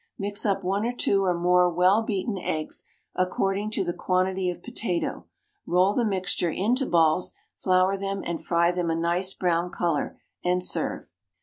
Mix up one or two or more well beaten eggs, according to the quantity of potato, roll the mixture into balls, flour them, and fry them a nice brown colour, and serve.